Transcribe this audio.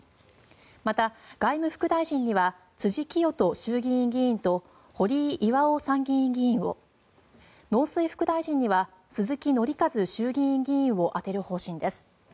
また、外務副大臣には辻清人衆議院議員と堀井巌参議院議員を農水副大臣には鈴木憲和衆議院議員を充てる方針です。